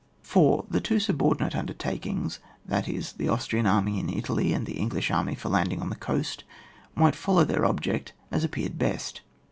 4. The two subordinate undertakings, that is, the Austrian army in Italy, and the English army for landing on the coast, might follow their object as ap peared best.